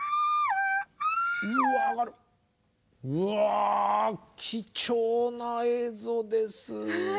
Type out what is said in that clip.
うわ貴重な映像です。